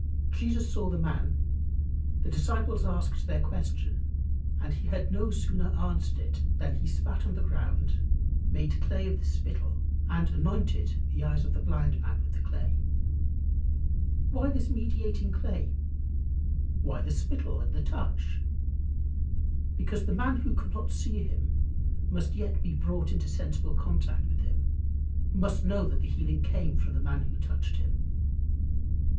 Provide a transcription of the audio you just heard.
Jesus saw the man, the disciples asked their question, and he had no sooner answered it, than "he spat on the ground, made clay of the spittle, and anointed the eyes of the blind man with the clay." Why this mediating clay? Why the spittle and the touch? Because the man who could not see him must yet be brought into sensible contact with him must know that the healing came from the man who touched him.